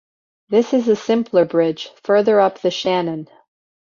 This is a simpler bridge, further up the Shannon.